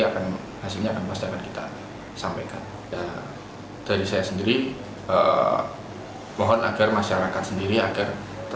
akan hasilnya akan pasti akan kita sampaikan dari saya sendiri mohon agar masyarakat sendiri agar